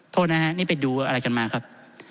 โทษนะฮะนี่ไปดูอะไรกันมาครับ